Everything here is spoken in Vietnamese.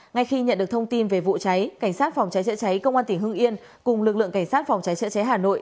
ngay khi nhận được thông tin về vụ cháy cảnh sát phòng cháy chữa cháy công an tỉnh hưng yên cùng lực lượng cảnh sát phòng cháy chữa cháy hà nội